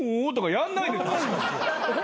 やんないの？